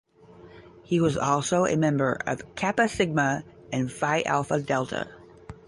He was also a member of Kappa Sigma and Phi Alpha Delta.